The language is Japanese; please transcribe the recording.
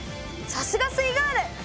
さすがすイガール！